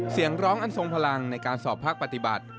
เสียงร้องอันทรงพลังในการสอบภาคปฏิบัติ